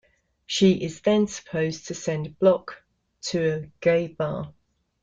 She is then supposed to send Block to a gay bar.